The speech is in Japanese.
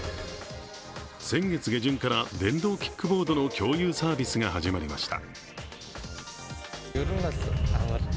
先月下旬から電動キックボードの共有サービスが始まりました。